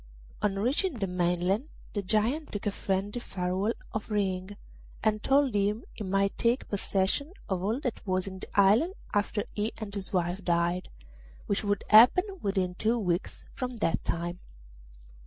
On reaching the mainland the Giant took a friendly farewell of Ring, and told him he might take possession of all that was in the island after he and his wife died, which would happen within two weeks from that time.